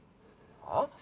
ああ？